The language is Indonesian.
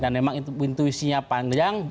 dan memang intuisinya panjang